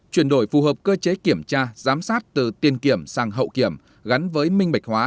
chuyển đổi phù hợp cơ chế kiểm tra giám sát từ tiên kiểm sang hậu kiểm gắn với minh bạch hóa